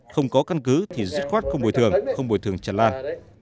không có căn cứ thì dứt khoát không bồi thường không bồi thường chàn lan